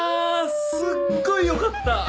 すっごいよかった！